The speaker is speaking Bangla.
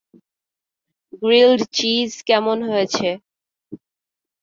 গ্রিলড চিজ কেমন হয়েছে?